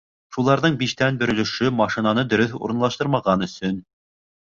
Шуларҙың биштән бер өлөшө машинаны дөрөҫ урынлаштырмаған өсөн.